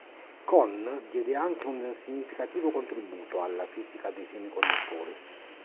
Kohn diede anche un significativo contributo alla fisica dei semiconduttori.